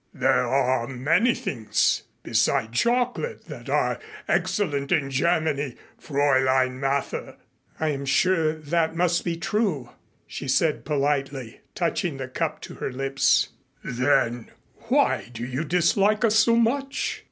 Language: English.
There are many things beside chocolate that are excellent in Germany, Fräulein Mather." "I am sure that must be true," she said politely, touching the cup to her lips. "Then why do you dislike us so much?"